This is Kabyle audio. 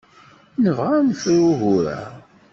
Nebɣa ad nefru ugur-a.